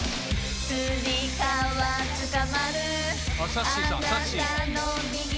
さっしーさんさっしー。